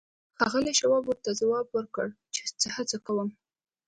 ښاغلي شواب ورته ځواب ورکړ چې هڅه کوم